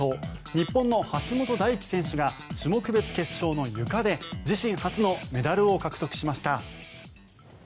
日本の橋本大輝選手が種目別決勝のゆかで自身初のメダルを獲得しました。